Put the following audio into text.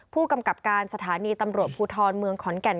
ผู้กำกับการสถานีตำรวจภูทรเมืองขอนแก่น